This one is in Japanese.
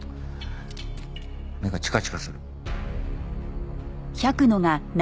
目がチカチカする。